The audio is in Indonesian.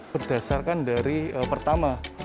berdasarkan dari pertama